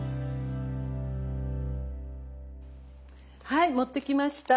はい持ってきました！